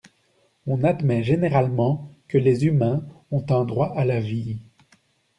On admet généralement que les humains ont un droit à la vie.